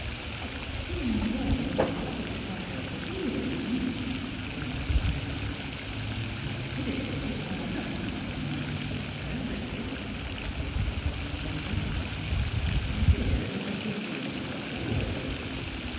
" It seems wrong t' deprive the hea then —" began Mr. Trimmer. " But th' Meth'dists '11 git one on us, ef the matter 's took t' Presb'tery," inter rupted Deacon Scrimger. " I hear the 's a good deal o' talk a' ready."